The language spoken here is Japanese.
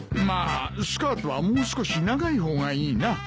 まあスカートはもう少し長い方がいいな。